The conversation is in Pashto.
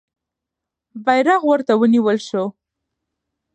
بیرغ ورته ونیول سو.